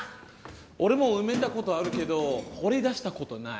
俺も埋めたことあるけど掘り出したことない。